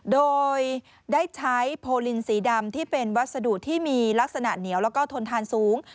โดยได้ใช้โพลินสีดำที่เป็นวัสดุที่มีลักษณะเหนียวแล้วก็ทนทานสูง